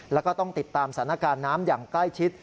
แล้วก็ต้องติดตามสถานการณ์น้ำอย่างใกล้ชิด